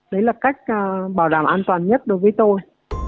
đấy là cách bảo đảm an toàn nhất đối với tôi